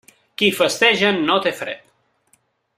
Qui festeja no té fred.